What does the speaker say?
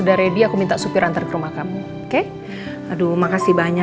suapru semua dikit ya